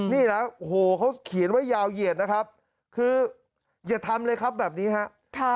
นี่นะโอ้โหเขาเขียนไว้ยาวเหยียดนะครับคืออย่าทำเลยครับแบบนี้ฮะ